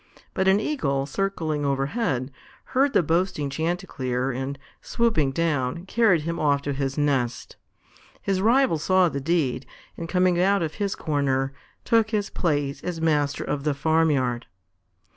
But an Eagle, circling overhead, heard the boasting chanticleer and, swooping down, carried him off to his nest. His rival saw the deed, and coming out of his corner, took his place as master of the farmyard.